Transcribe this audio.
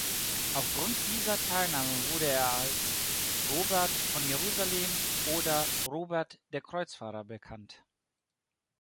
Aufgrund dieser Teilnahme wurde er als "Robert von Jerusalem" oder "Robert der Kreuzfahrer" bekannt.